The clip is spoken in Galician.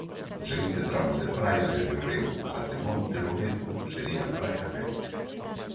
O seguinte tramo de praia dende o río ate Monte Lourido sería Praia América.